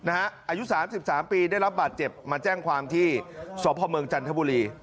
อายุ๓๓ปีได้รับบาดเจ็บมาแจ้งความที่สพเมืองจันทบุรี